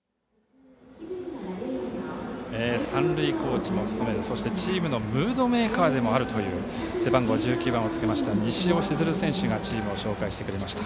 三塁コーチを務めチームのムードメーカーでもある背番号１９番をつけた西尾静流選手がチームを紹介してくれました。